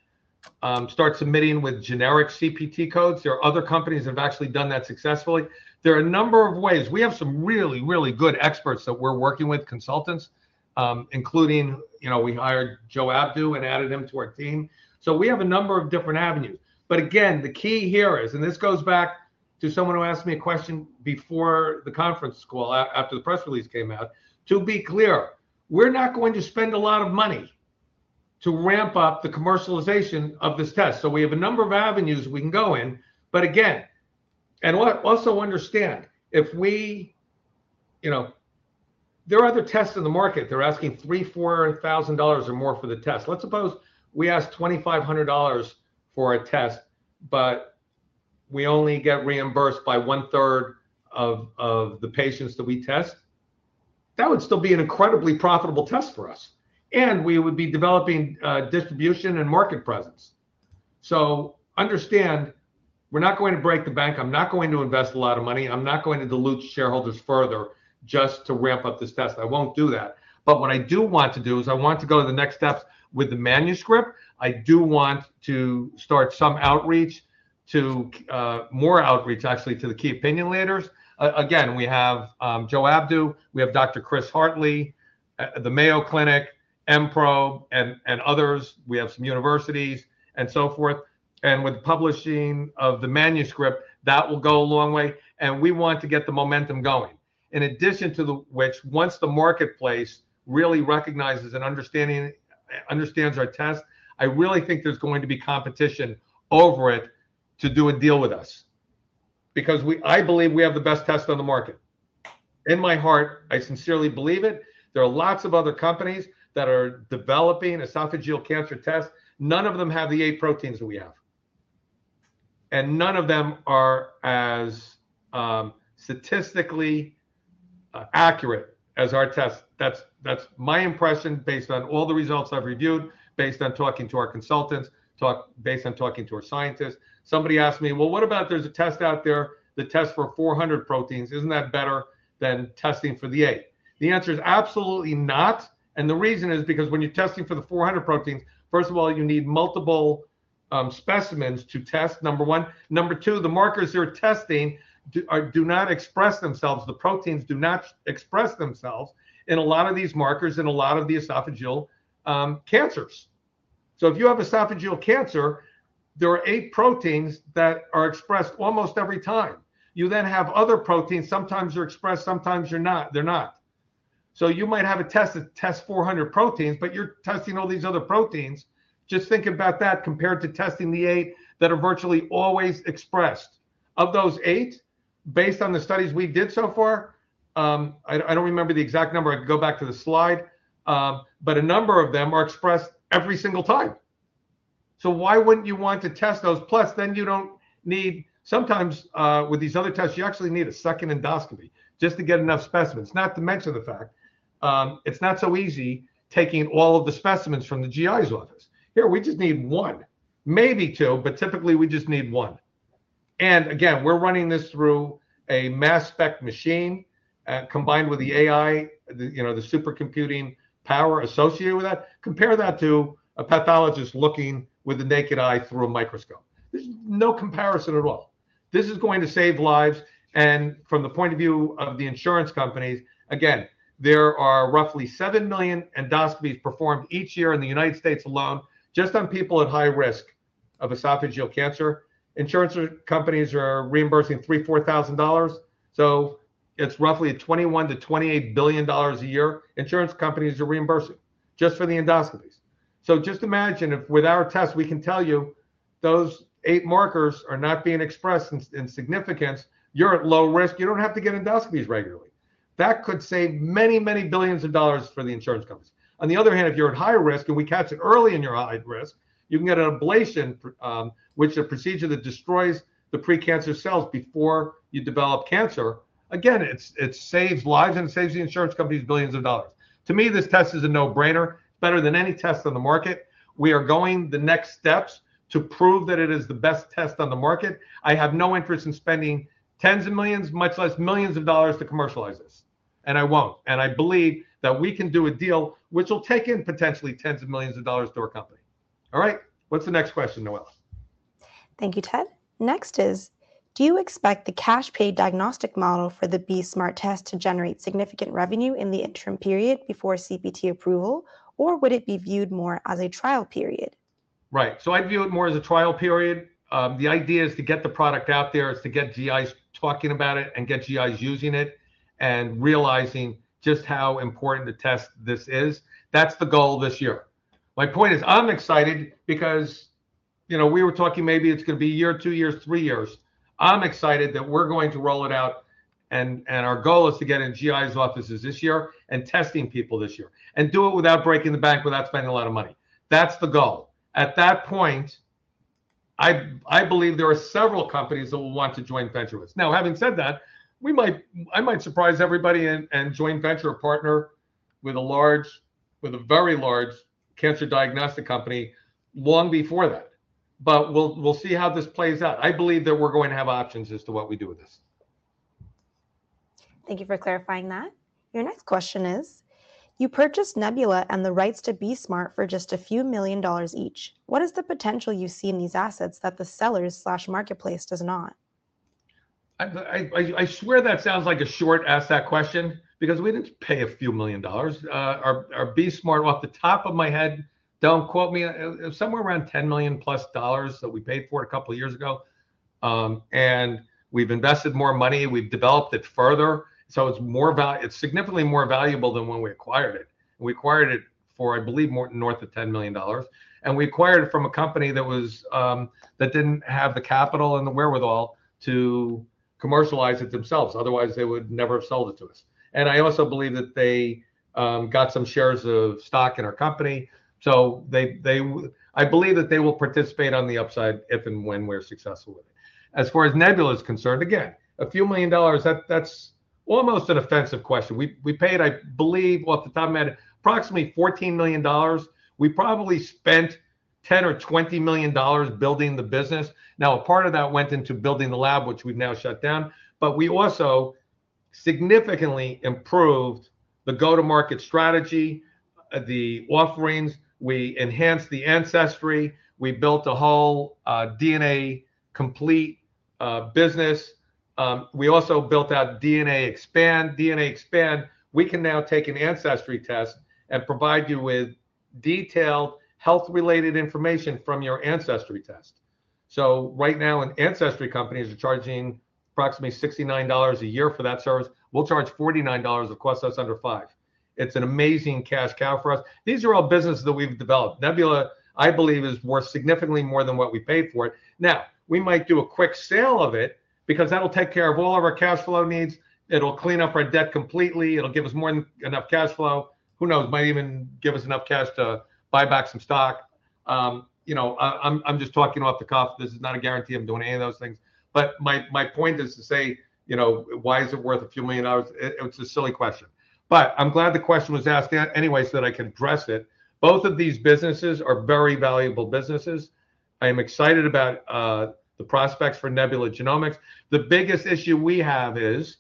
start submitting with generic CPT codes. There are other companies that have actually done that successfully. There are a number of ways. We have some really, really good experts that we're working with, consultants, including we hired Joe Abdo and added him to our team. We have a number of different avenues. Again, the key here is, and this goes back to someone who asked me a question before the conference call after the press release came out, to be clear, we're not going to spend a lot of money to ramp up the commercialization of this test. We have a number of avenues we can go in. Again, also understand, if we, there are other tests in the market. They're asking $3,000-$4,000 or more for the test. Let's suppose we ask $2,500 for a test, but we only get reimbursed by one-third of the patients that we test. That would still be an incredibly profitable test for us. We would be developing distribution and market presence. Understand, we're not going to break the bank. I'm not going to invest a lot of money. I'm not going to dilute shareholders further just to ramp up this test. I won't do that. What I do want to do is I want to go to the next steps with the manuscript. I do want to start some outreach, more outreach actually, to the key opinion leaders. We have Joe Abdo. We have Dr. Chris Hartley, the Mayo Clinic, M-Probe, and others. We have some universities and so forth. With the publishing of the manuscript, that will go a long way. We want to get the momentum going. In addition to which, once the marketplace really recognizes and understands our test, I really think there's going to be competition over it to do a deal with us because I believe we have the best test on the market. In my heart, I sincerely believe it. There are lots of other companies that are developing esophageal cancer tests. None of them have the eight proteins that we have. None of them are as statistically accurate as our test. That's my impression based on all the results I've reviewed, based on talking to our consultants, based on talking to our scientists. Somebody asked me, "Well, what about there's a test out there, the test for 400 proteins? Isn't that better than testing for the eight?" The answer is absolutely not. The reason is because when you're testing for the 400 proteins, first of all, you need multiple specimens to test, number one. Number two, the markers you're testing do not express themselves. The proteins do not express themselves in a lot of these markers in a lot of the esophageal cancers. If you have esophageal cancer, there are eight proteins that are expressed almost every time. You then have other proteins. Sometimes they're expressed. Sometimes they're not. You might have a test that tests 400 proteins, but you're testing all these other proteins. Just think about that compared to testing the eight that are virtually always expressed. Of those eight, based on the studies we did so far, I don't remember the exact number. I could go back to the slide. A number of them are expressed every single time. Why wouldn't you want to test those? Plus, you don't need, sometimes with these other tests, you actually need a second endoscopy just to get enough specimens. Not to mention the fact it's not so easy taking all of the specimens from the GI's office. Here, we just need one. Maybe two, but typically we just need one. Again, we're running this through a mass spec machine combined with the AI, the supercomputing power associated with that. Compare that to a pathologist looking with the naked eye through a microscope. There's no comparison at all. This is going to save lives. From the point of view of the insurance companies, again, there are roughly 7 million endoscopies performed each year in the United States alone just on people at high risk of esophageal cancer. Insurance companies are reimbursing $3,000-$4,000. It's roughly $21 billion-$28 billion a year insurance companies are reimbursing just for the endoscopies. Just imagine if with our test we can tell you those eight markers are not being expressed in significance, you're at low risk. You don't have to get endoscopies regularly. That could save many, many billions of dollars for the insurance companies. On the other hand, if you're at high risk and we catch it early in your high risk, you can get an ablation, which is a procedure that destroys the precancerous cells before you develop cancer. Again, it saves lives and it saves the insurance companies billions of dollars. To me, this test is a no-brainer. It's better than any test on the market. We are going the next steps to prove that it is the best test on the market. I have no interest in spending tens of millions, much less millions of dollars to commercialize this. I will not. I believe that we can do a deal which will take in potentially tens of millions of dollars to our company. All right. What is the next question, Noella? Thank you, Ted. Next is, do you expect the cash-paid diagnostic model for the BE-Smart test to generate significant revenue in the interim period before CPT approval, or would it be viewed more as a trial period? I view it more as a trial period. The idea is to get the product out there. It is to get GIs talking about it and get GIs using it and realizing just how important the test this is. That is the goal this year. My point is I'm excited because we were talking maybe it's going to be a year, two years, three years. I'm excited that we're going to roll it out. Our goal is to get in GI's offices this year and testing people this year and do it without breaking the bank, without spending a lot of money. That's the goal. At that point, I believe there are several companies that will want to join venture with us. Now, having said that, I might surprise everybody and join venture a partner with a very large cancer diagnostic company long before that. We'll see how this plays out. I believe that we're going to have options as to what we do with this. Thank you for clarifying that. Your next question is, you purchased Nebula and the rights to BE-Smart for just a few million dollars each. What is the potential you see in these assets that the sellers or marketplace does not? I swear that sounds like a short ask that question because we didn't pay a few million dollars. Our BE-Smart, off the top of my head, don't quote me, somewhere around $10 million plus that we paid for a couple of years ago. And we've invested more money. We've developed it further. It is significantly more valuable than when we acquired it. We acquired it for, I believe, north of $10 million. We acquired it from a company that didn't have the capital and the wherewithal to commercialize it themselves. Otherwise, they would never have sold it to us. I also believe that they got some shares of stock in our company. I believe that they will participate on the upside if and when we're successful with it. As far as Nebula is concerned, again, a few million dollars, that's almost an offensive question. We paid, I believe, off the top of my head, approximately $14 million. We probably spent $10 million-$20 million building the business. Now, a part of that went into building the lab, which we've now shut down. We also significantly improved the go-to-market strategy, the offerings. We enhanced the ancestry. We built a whole DNA Complete business. We also built out DNA Expand. DNA Expand, we can now take an ancestry test and provide you with detailed health-related information from your ancestry test. Right now, an ancestry company is charging approximately $69 a year for that service. We'll charge $49 if it costs us under five. It's an amazing cash cow for us. These are all businesses that we've developed. Nebula, I believe, is worth significantly more than what we paid for it. Now, we might do a quick sale of it because that'll take care of all of our cash flow needs. It'll clean up our debt completely. It'll give us more than enough cash flow. Who knows? Might even give us enough cash to buy back some stock. I'm just talking off the cuff. This is not a guarantee I'm doing any of those things. My point is to say, why is it worth a few million dollars? It's a silly question. I'm glad the question was asked anyway so that I can address it. Both of these businesses are very valuable businesses. I am excited about the prospects for Nebula Genomics. The biggest issue we have is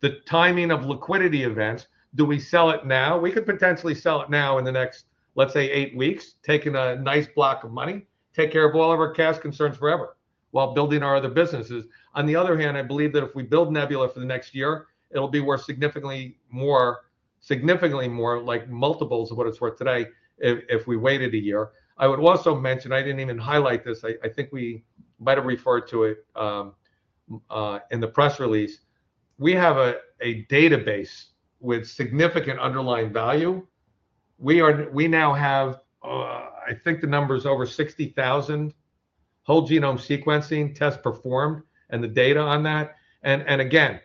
the timing of liquidity events. Do we sell it now? We could potentially sell it now in the next, let's say, eight weeks, taking a nice block of money, take care of all of our cash concerns forever while building our other businesses. On the other hand, I believe that if we build Nebula for the next year, it'll be worth significantly more, significantly more like multiples of what it's worth today if we waited a year. I would also mention, I didn't even highlight this. I think we might have referred to it in the press release. We have a database with significant underlying value. We now have, I think the number is over 60,000 whole genome sequencing tests performed and the data on that. Again,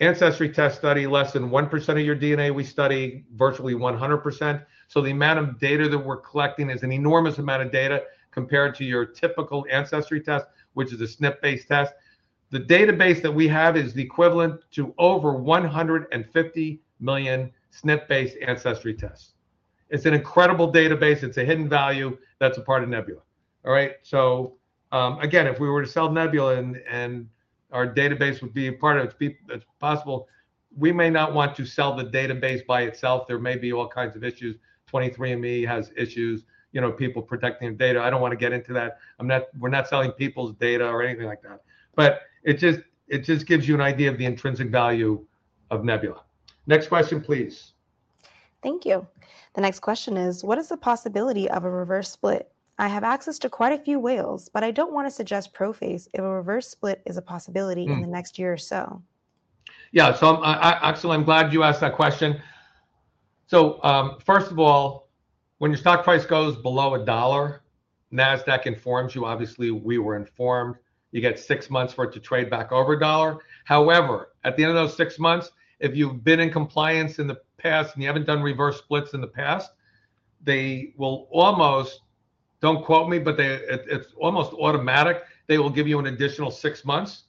ancestry test study, less than 1% of your DNA we study, virtually 100%. The amount of data that we're collecting is an enormous amount of data compared to your typical ancestry test, which is a SNP-based test. The database that we have is the equivalent to over 150 million SNP-based ancestry tests. It's an incredible database. It's a hidden value. That's a part of Nebula. All right. Again, if we were to sell Nebula and our database would be a part of it, it's possible. We may not want to sell the database by itself. There may be all kinds of issues. 23andMe has issues, people protecting data. I don't want to get into that. We're not selling people's data or anything like that. It just gives you an idea of the intrinsic value of Nebula. Next question, please. Thank you. The next question is, what is the possibility of a reverse split? I have access to quite a few whales, but I don't want to suggest ProPhase if a reverse split is a possibility in the next year or so. Yeah. Actually, I'm glad you asked that question. First of all, when your stock price goes below a dollar, NASDAQ informs you. Obviously, we were informed. You get six months for it to trade back over a dollar. However, at the end of those six months, if you've been in compliance in the past and you haven't done reverse splits in the past, they will almost, don't quote me, but it's almost automatic. They will give you an additional six months.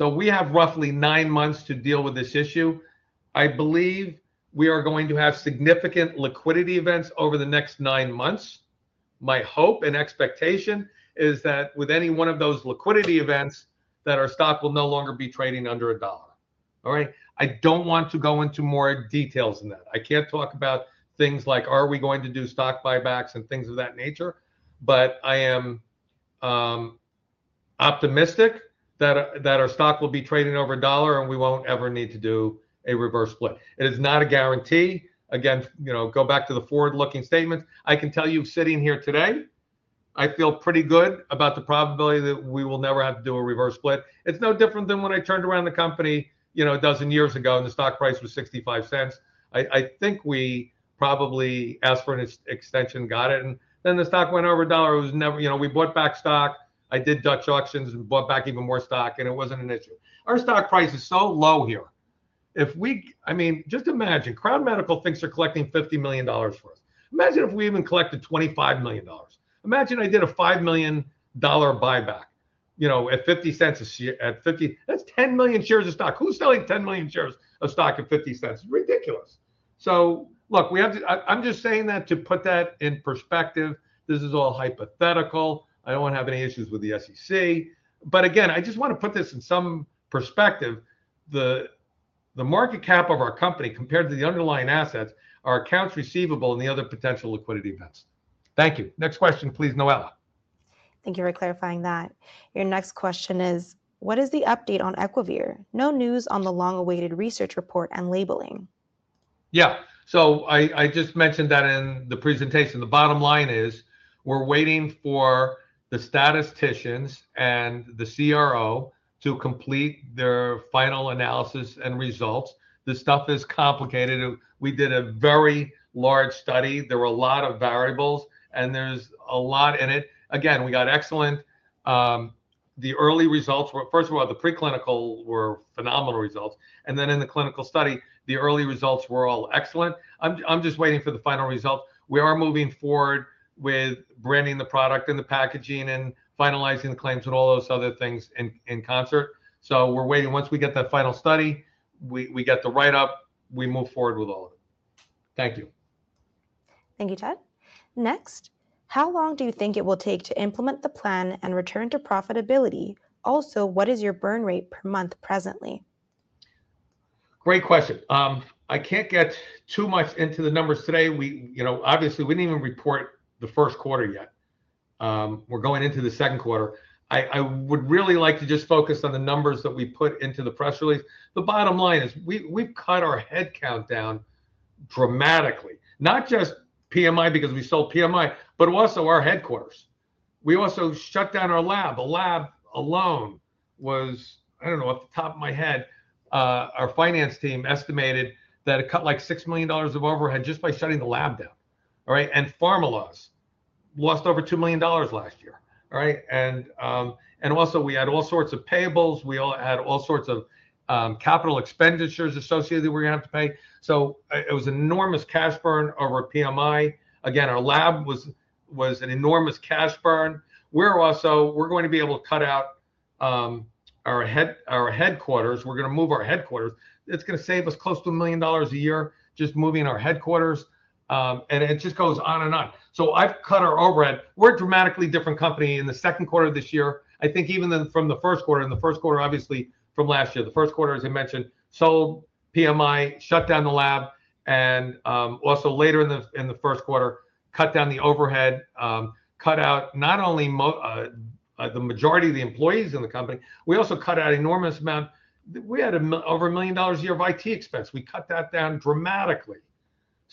We have roughly nine months to deal with this issue. I believe we are going to have significant liquidity events over the next nine months. My hope and expectation is that with any one of those liquidity events, that our stock will no longer be trading under a dollar. All right. I do not want to go into more details than that. I cannot talk about things like, are we going to do stock buybacks and things of that nature. I am optimistic that our stock will be trading over a dollar and we will not ever need to do a reverse split. It is not a guarantee. Again, go back to the forward-looking statements. I can tell you sitting here today, I feel pretty good about the probability that we will never have to do a reverse split. It is no different than when I turned around the company a dozen years ago and the stock price was $0.65. I think we probably asked for an extension, got it, and then the stock went over a dollar. We bought back stock. I did Dutch auctions and bought back even more stock, and it was not an issue. Our stock price is so low here. I mean, just imagine Crown Medical thinks they are collecting $50 million for us. Imagine if we even collected $25 million. Imagine I did a $5 million buyback at $0.50. That is 10 million shares of stock. Who is selling 10 million shares of stock at $0.50? Ridiculous. Look, I am just saying that to put that in perspective. This is all hypothetical. I do not want to have any issues with the SEC. Again, I just want to put this in some perspective. The market cap of our company compared to the underlying assets, our accounts receivable, and the other potential liquidity events. Thank you. Next question, please, Noella. Thank you for clarifying that. Your next question is, what is the update on Equivir? No news on the long-awaited research report and labeling. Yeah. I just mentioned that in the presentation. The bottom line is we're waiting for the statisticians and the CRO to complete their final analysis and results. The stuff is complicated. We did a very large study. There were a lot of variables, and there's a lot in it. Again, we got excellent. The early results, first of all, the preclinical were phenomenal results. In the clinical study, the early results were all excellent. I'm just waiting for the final results. We are moving forward with branding the product and the packaging and finalizing the claims and all those other things in concert. We are waiting. Once we get that final study, we get the write-up, we move forward with all of it. Thank you. Thank you, Ted. Next, how long do you think it will take to implement the plan and return to profitability? Also, what is your burn rate per month presently? Great question. I can't get too much into the numbers today. Obviously, we didn't even report the first quarter yet. We're going into the second quarter. I would really like to just focus on the numbers that we put into the press release. The bottom line is we've cut our headcount down dramatically, not just PMI because we sold PMI, but also our headquarters. We also shut down our lab. The lab alone was, I don't know, off the top of my head, our finance team estimated that it cut like $6 million of overhead just by shutting the lab down. All right. Pharmaloz lost over $2 million last year. All right. Also, we had all sorts of payables. We had all sorts of capital expenditures associated that we're going to have to pay. It was an enormous cash burn over at PMI. Again, our lab was an enormous cash burn. We're going to be able to cut out our headquarters. We're going to move our headquarters. It's going to save us close to $1 million a year just moving our headquarters. It just goes on and on. I've cut our overhead. We're a dramatically different company in the second quarter of this year. I think even from the first quarter. In the first quarter, obviously, from last year, the first quarter, as I mentioned, sold PMI, shut down the lab, and also later in the first quarter, cut down the overhead, cut out not only the majority of the employees in the company. We also cut out an enormous amount. We had over $1 million a year of IT expense. We cut that down dramatically.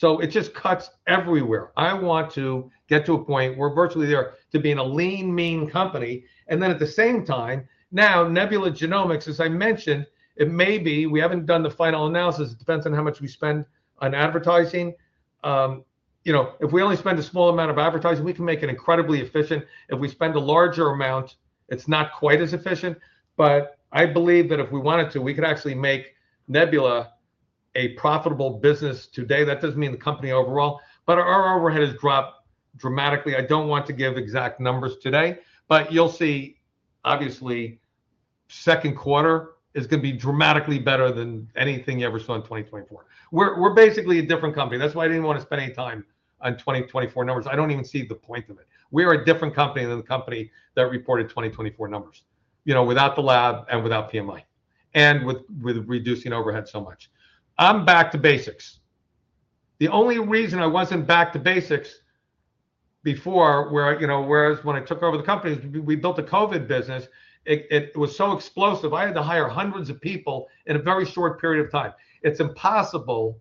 It just cuts everywhere. I want to get to a point where we're virtually there to be in a lean, mean company. At the same time, now Nebula Genomics, as I mentioned, it may be we haven't done the final analysis. It depends on how much we spend on advertising. If we only spend a small amount of advertising, we can make it incredibly efficient. If we spend a larger amount, it's not quite as efficient. I believe that if we wanted to, we could actually make Nebula a profitable business today. That does not mean the company overall, but our overhead has dropped dramatically. I do not want to give exact numbers today, but you will see, obviously, second quarter is going to be dramatically better than anything you ever saw in 2024. We are basically a different company. That is why I did not want to spend any time on 2024 numbers. I do not even see the point of it. We are a different company than the company that reported 2024 numbers without the lab and without PMI and with reducing overhead so much. I am back to basics. The only reason I was not back to basics before, whereas when I took over the companies, we built a COVID business, it was so explosive. I had to hire hundreds of people in a very short period of time. It's impossible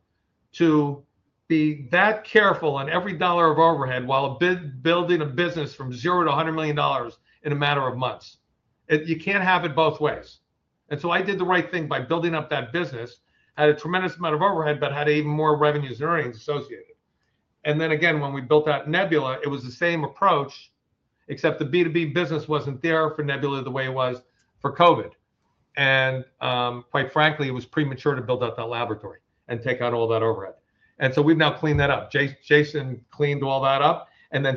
to be that careful on every dollar of overhead while building a business from zero to $100 million in a matter of months. You can't have it both ways. I did the right thing by building up that business, had a tremendous amount of overhead, but had even more revenues and earnings associated. When we built out Nebula, it was the same approach, except the B2B business wasn't there for Nebula the way it was for COVID. Quite frankly, it was premature to build out that laboratory and take out all that overhead. We've now cleaned that up. Jason cleaned all that up.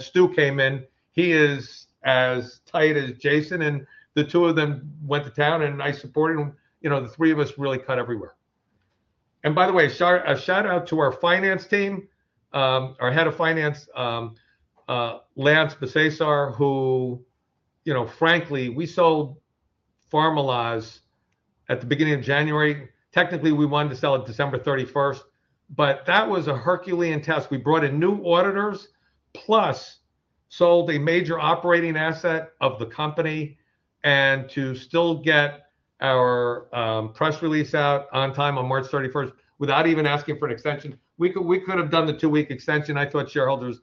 Stu came in. He is as tight as Jason. The two of them went to town, and I supported them. The three of us really cut everywhere. By the way, a shout out to our finance team, our Head of Finance, Lance Bisesar, who, frankly, we sold Pharmaloz at the beginning of January. Technically, we wanted to sell it December 31st, but that was a Herculean task. We brought in new auditors, plus sold a major operating asset of the company. To still get our press release out on time on March 31st without even asking for an extension, we could have done the two-week extension. I thought shareholders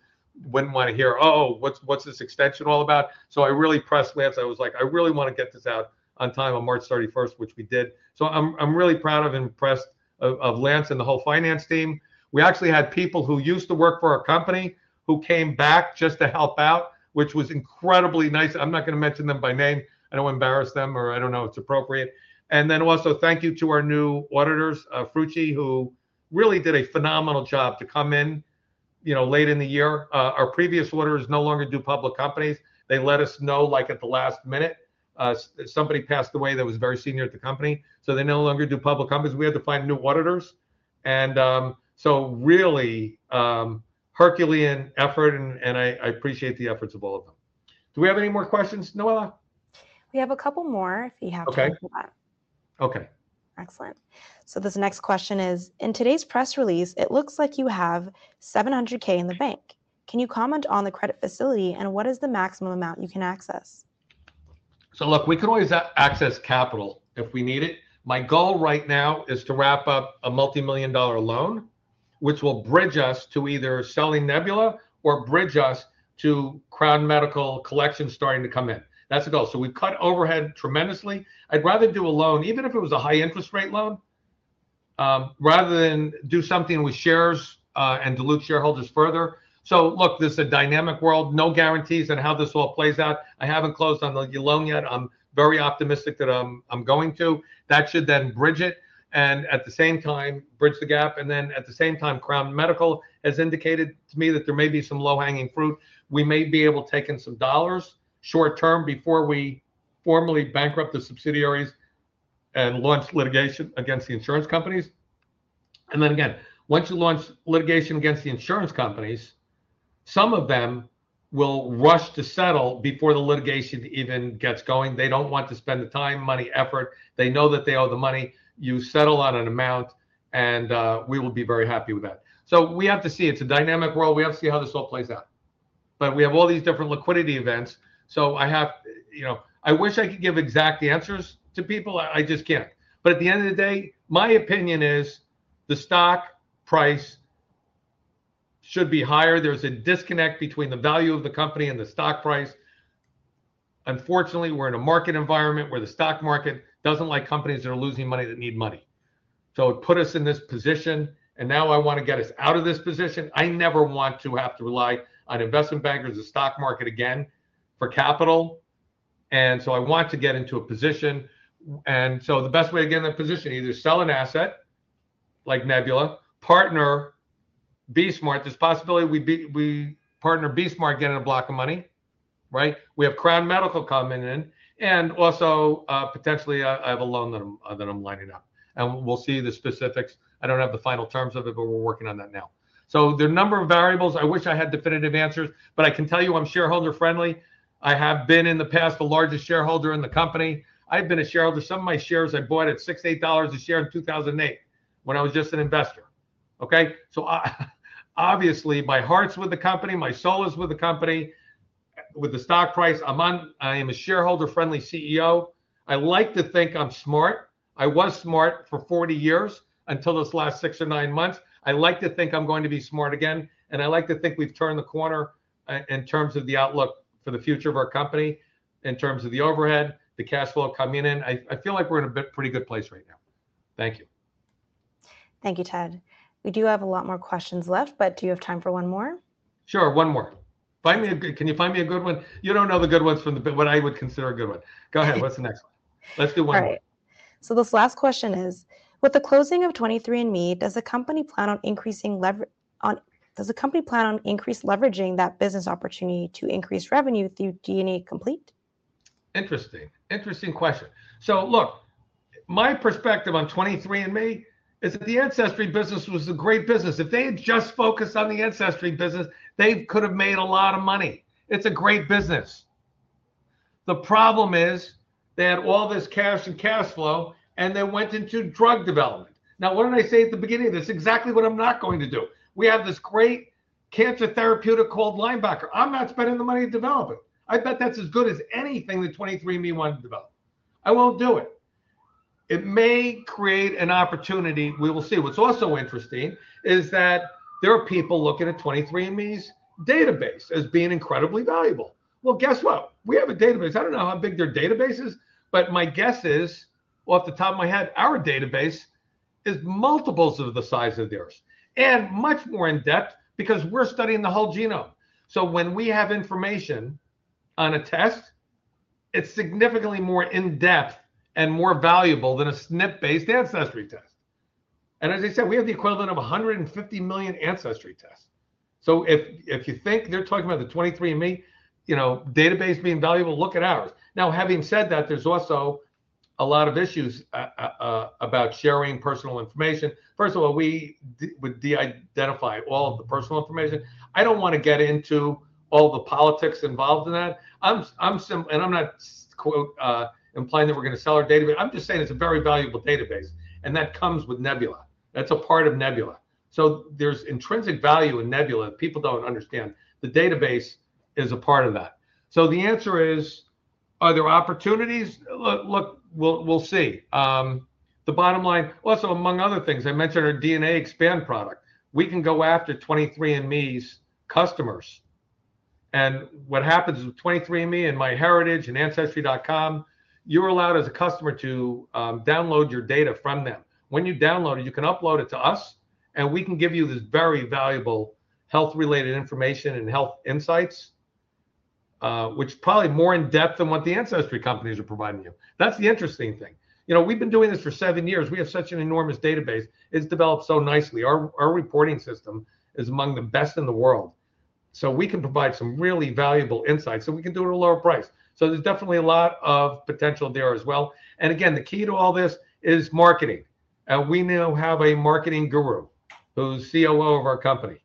would not want to hear, "Oh, what's this extension all about?" I really pressed Lance. I was like, "I really want to get this out on time on March 31st," which we did. I am really proud of and impressed with Lance and the whole finance team. We actually had people who used to work for our company who came back just to help out, which was incredibly nice. I'm not going to mention them by name. I don't want to embarrass them or I don't know if it's appropriate. Also, thank you to our new auditors, Fruchi, who really did a phenomenal job to come in late in the year. Our previous auditors no longer do public companies. They let us know at the last minute. Somebody passed away that was very senior at the company. They no longer do public companies. We had to find new auditors. Really Herculean effort, and I appreciate the efforts of all of them. Do we have any more questions, Noella? We have a couple more if you have to. Okay. Okay. Excellent. This next question is, in today's press release, it looks like you have $700,000 in the bank. Can you comment on the credit facility and what is the maximum amount you can access? Look, we can always access capital if we need it. My goal right now is to wrap up a multi-million dollar loan, which will bridge us to either selling Nebula or bridge us to Crown Medical Collections starting to come in. That is the goal. We have cut overhead tremendously. I would rather do a loan, even if it was a high-interest rate loan, rather than do something with shares and dilute shareholders further. This is a dynamic world. No guarantees on how this all plays out. I have not closed on the loan yet. I am very optimistic that I am going to. That should then bridge it and at the same time bridge the gap. At the same time, Crown Medical has indicated to me that there may be some low-hanging fruit. We may be able to take in some dollars short-term before we formally bankrupt the subsidiaries and launch litigation against the insurance companies. Once you launch litigation against the insurance companies, some of them will rush to settle before the litigation even gets going. They do not want to spend the time, money, effort. They know that they owe the money. You settle on an amount, and we will be very happy with that. We have to see. It is a dynamic world. We have to see how this all plays out. We have all these different liquidity events. I wish I could give exact answers to people. I just cannot. At the end of the day, my opinion is the stock price should be higher. There's a disconnect between the value of the company and the stock price. Unfortunately, we're in a market environment where the stock market doesn't like companies that are losing money that need money. It put us in this position, and now I want to get us out of this position. I never want to have to rely on investment bankers and the stock market again for capital. I want to get into a position. The best way to get in that position, either sell an asset like Nebula, partner BE-Smart. There's a possibility we partner BE-Smart getting a block of money. Right? We have Crown Medical coming in. Also potentially I have a loan that I'm lining up. We'll see the specifics. I don't have the final terms of it, but we're working on that now. There are a number of variables. I wish I had definitive answers, but I can tell you I'm shareholder-friendly. I have been in the past the largest shareholder in the company. I've been a shareholder. Some of my shares I bought at $6, $8 a share in 2008 when I was just an investor. Okay? Obviously, my heart's with the company. My soul is with the company. With the stock price, I'm a shareholder-friendly CEO. I like to think I'm smart. I was smart for 40 years until this last six or nine months. I like to think I'm going to be smart again. I like to think we've turned the corner in terms of the outlook for the future of our company, in terms of the overhead, the cash flow coming in. I feel like we're in a pretty good place right now. Thank you. Thank you, Ted. We do have a lot more questions left, but do you have time for one more? Sure. One more. Can you find me a good one? You do not know the good ones from what I would consider a good one. Go ahead. What is the next one? Let us do one more. All right. This last question is, with the closing of 23andMe, does the company plan on increasing leverage? Does the company plan on increasing leveraging that business opportunity to increase revenue through DNA Complete? Interesting. Interesting question. Look, my perspective on 23andMe is that the ancestry business was a great business. If they had just focused on the ancestry business, they could have made a lot of money. It is a great business. The problem is they had all this cash and cash flow, and they went into drug development. Now, what did I say at the beginning? That's exactly what I'm not going to do. We have this great cancer therapeutic called Linebacker. I'm not spending the money to develop it. I bet that's as good as anything that 23andMe wanted to develop. I won't do it. It may create an opportunity. We will see. What's also interesting is that there are people looking at 23andMe's database as being incredibly valuable. Guess what? We have a database. I don't know how big their database is, but my guess is, off the top of my head, our database is multiples of the size of theirs and much more in-depth because we're studying the whole genome. When we have information on a test, it's significantly more in-depth and more valuable than a SNP-based ancestry test. As I said, we have the equivalent of 150 million ancestry tests. If you think they're talking about the 23andMe database being valuable, look at ours. Now, having said that, there's also a lot of issues about sharing personal information. First of all, we would de-identify all of the personal information. I don't want to get into all the politics involved in that. I'm not implying that we're going to sell our database. I'm just saying it's a very valuable database, and that comes with Nebula. That's a part of Nebula. There is intrinsic value in Nebula that people don't understand. The database is a part of that. The answer is, are there opportunities? Look, we'll see. The bottom line, also among other things, I mentioned our DNA Expand product. We can go after 23andMe's customers. What happens with 23andMe and MyHeritage and Ancestry.com, you're allowed as a customer to download your data from them. When you download it, you can upload it to us, and we can give you this very valuable health-related information and health insights, which is probably more in-depth than what the ancestry companies are providing you. That is the interesting thing. We have been doing this for seven years. We have such an enormous database. It has developed so nicely. Our reporting system is among the best in the world. We can provide some really valuable insights. We can do it at a lower price. There is definitely a lot of potential there as well. Again, the key to all this is marketing. We now have a marketing guru who is COO of our company.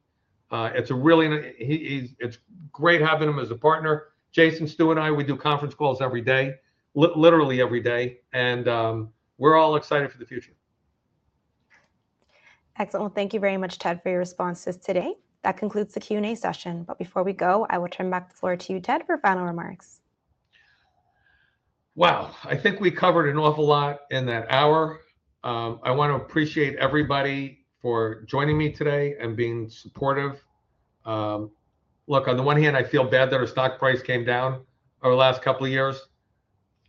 It is great having him as a partner. Jason, Stu, and I, we do conference calls every day, literally every day. We are all excited for the future. Excellent. Thank you very much, Ted, for your responses today. That concludes the Q&A session. Before we go, I will turn back the floor to you, Ted, for final remarks. Wow. I think we covered an awful lot in that hour. I want to appreciate everybody for joining me today and being supportive. Look, on the one hand, I feel bad that our stock price came down over the last couple of years.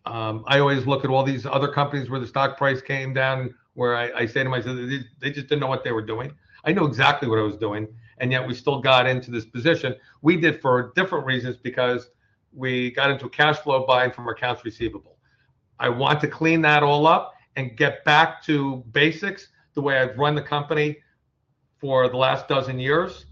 I always look at all these other companies where the stock price came down, where I say to myself, "They just did not know what they were doing." I know exactly what I was doing, and yet we still got into this position. We did for different reasons because we got into cash flow buying from our accounts receivable. I want to clean that all up and get back to basics the way I've run the company for the last dozen years.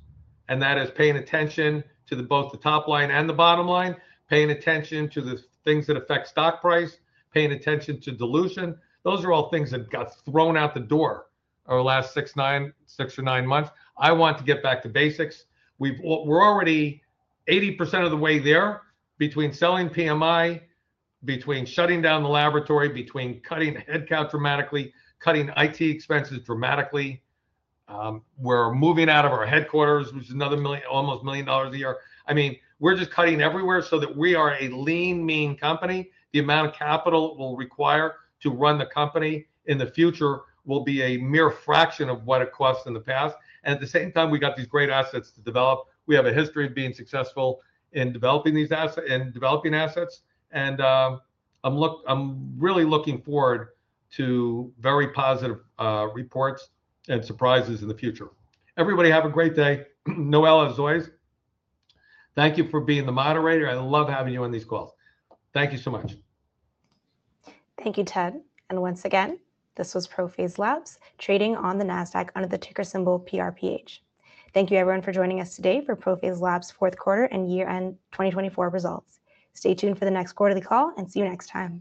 That is paying attention to both the top line and the bottom line, paying attention to the things that affect stock price, paying attention to dilution. Those are all things that got thrown out the door over the last six or nine months. I want to get back to basics. We're already 80% of the way there between selling PMI, between shutting down the laboratory, between cutting headcount dramatically, cutting IT expenses dramatically. We're moving out of our headquarters, which is another almost $1 million a year. I mean, we're just cutting everywhere so that we are a lean mean company. The amount of capital it will require to run the company in the future will be a mere fraction of what it costs in the past. At the same time, we got these great assets to develop. We have a history of being successful in developing assets. I am really looking forward to very positive reports and surprises in the future. Everybody have a great day. Noella, as always, thank you for being the moderator. I love having you on these calls. Thank you so much. Thank you, Ted. Once again, this was ProPhase Labs trading on the NASDAQ under the ticker symbol PRPH. Thank you, everyone, for joining us today for ProPhase Labs' fourth quarter and year-end 2024 results. Stay tuned for the next quarterly call and see you next time.